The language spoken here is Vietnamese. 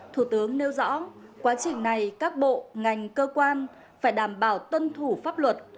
thủ tướng nêu rõ quá trình này các bộ ngành cơ quan phải đảm bảo tuân thủ pháp luật